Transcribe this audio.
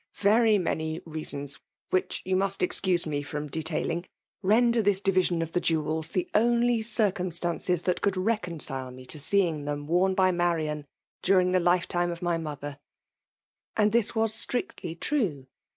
" Very maiqr reasons, which you must excuse me irom ck* tailing, render tlus division of tiie jewels the only circumstance that could reconcile me to y£lfALE OOMlNATIOfr. 107 ttedng them worn by Marian during tke life time of my miotlier/' And tbb was stcictly true.